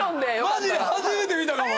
マジで初めて見たかも。